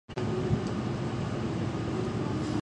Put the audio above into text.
北海道洞爺湖町